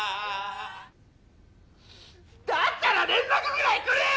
だったら連絡くらいくれよ！